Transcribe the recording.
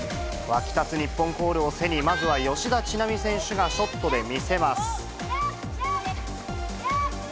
沸き立つ日本コールを背に、まずは吉田知那美選手がショットで見せます。